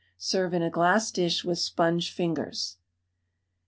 Serve in a glass dish with sponge fingers.